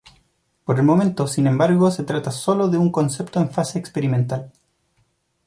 Por el momento sin embargo se trata sólo de un concepto en fase experimental.